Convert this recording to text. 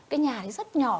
cái nhà thì rất nhỏ